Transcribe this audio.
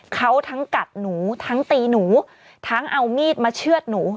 เขาทั้งกัดหนูทั้งตีหนูทั้งเอามีดมาเชื่อดหนู